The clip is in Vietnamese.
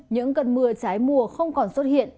những cơn mưa trái mùa không còn xuất hiện